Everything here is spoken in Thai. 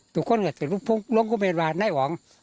ทุกคนศึกรุ่งเขาเรียนบ้างภูมิบ้านเหมือนได้อ่อง